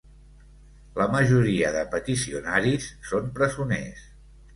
La majoria de peticionaris són presoners.